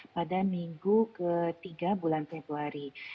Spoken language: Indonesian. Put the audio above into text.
pada minggu ke tiga bulan februari